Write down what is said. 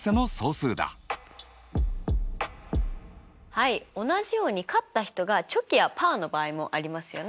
はい同じように勝った人がチョキやパーの場合もありますよね。